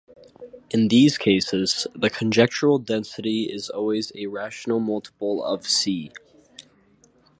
In these cases, the conjectural density is always a rational multiple of "C".